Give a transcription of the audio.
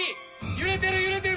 揺れてる揺れてる！